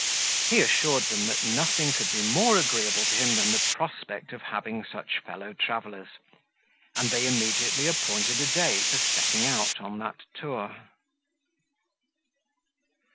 He assured them that nothing could be more agreeable to him than the prospect of having such fellow travellers; and they immediately appointed a day for setting out on that tour.